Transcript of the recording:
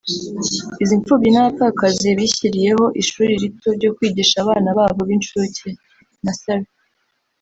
Izi mfubyi n’abapfakazi bishyiriyeho ishuri rito ryo kwigisha abana babo b’incuke (Nursery)